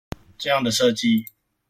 這樣的設計